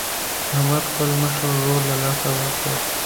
احمد خپل مشر ورور له لاسه ورکړ.